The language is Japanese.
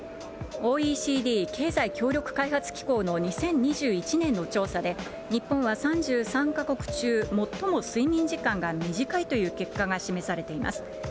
ＯＥＣＤ・経済協力開発機構の２０２１年の調査で、日本は３３か国中、最も睡眠時間が短いという結果が示されています。